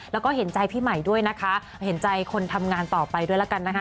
แล้วก็เห็นใจพี่ใหม่ด้วยนะคะเห็นใจคนทำงานต่อไปด้วยแล้วกันนะคะ